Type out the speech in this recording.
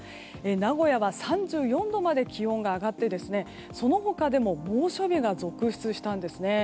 名古屋は３４度まで気温が上がってその他でも猛暑日が続出したんです。